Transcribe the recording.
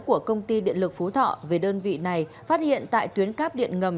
của công ty điện lực phú thọ về đơn vị này phát hiện tại tuyến cáp điện ngầm